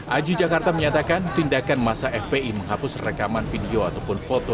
aju jakarta menyatakan tindakan masa fpi menghapus rekaman video ataupun foto